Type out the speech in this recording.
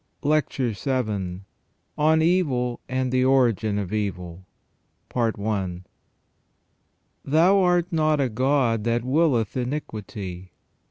LECTURE VIL ON EVIL AND THE ORIGIN OF EVIL. " Thou art not a God that willeth iniquity."